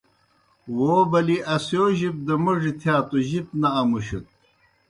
وو بلِی اسِیو جِب دہ موڙیْ تِھیا توْ جِب نہ اَمُشَت۔